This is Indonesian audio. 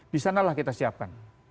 di sanalah kita siapkan